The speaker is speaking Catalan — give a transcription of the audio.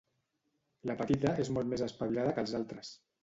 La petita és molt més espavilada que els altres.